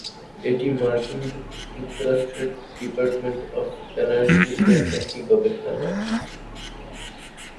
এটি মার্কিন যুক্তরাষ্ট্রের ডিপার্টমেন্ট অব এনার্জি এর একটি গবেষণাগার।